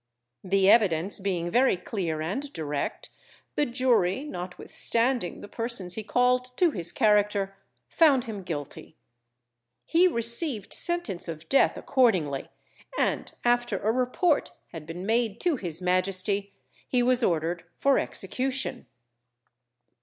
The evidence being very clear and direct, the jury, notwithstanding the persons he called to his character, found him guilty. He received sentence of death accordingly, and after a report had been made to his Majesty he was ordered for execution.